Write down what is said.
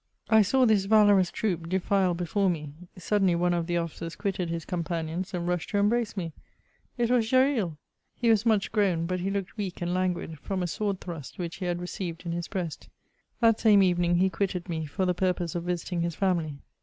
I saw this valorous troop defile before me : suddenly one of the officers quitted his companions, and rushed to embrace me. It was Gesril ! He was much grown, but he looked weak and . languid, from a sword thrust which he had received in his breast. That same evening he quitted me, for the purpose of visiting his family.